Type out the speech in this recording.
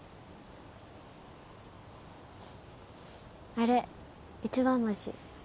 あれ一番星。